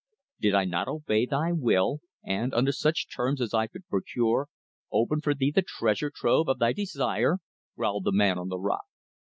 "Did I not obey thy will and, under such terms as I could procure, open for thee the treasure room of thy desire?" growled the man on the rock.